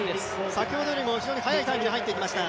先ほどよりも早いタイムで入っていきました。